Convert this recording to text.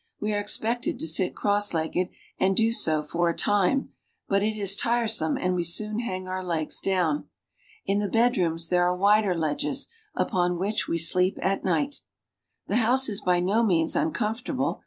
We are expected to sit cross legged, and do so for a time, but it is tiresome and we soon hang our legs down. In the bedrooms there are wider ledges, upon which we sleep at night. The house is by no means uncomfortable.